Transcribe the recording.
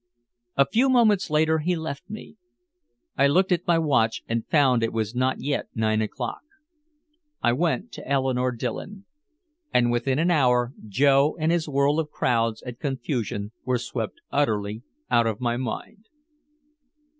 A few moments later he left me. I looked at my watch and found it was not yet nine o'clock. I went to Eleanore Dillon. And within an hour Joe and his world of crowds and confusion were swept utterly out of my mind.